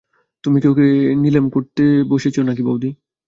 তুমি কি ওকে নিলেম করতে বসেছ নাকি বউদি।